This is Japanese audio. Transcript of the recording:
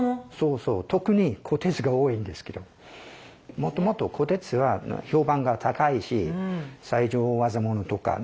もともと虎徹は評判が高いし最上大業物とかね